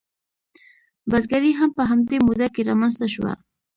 بزګري هم په همدې موده کې رامنځته شوه.